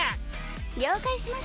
了解しました。